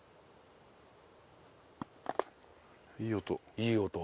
いい音。